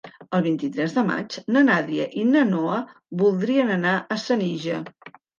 El vint-i-tres de maig na Nàdia i na Noa voldrien anar a Senija.